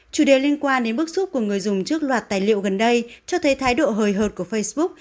chủ đề liên quan đến bức xúc của người dùng trước loạt tài liệu gần đây cho thấy thái độ hời hợt của facebook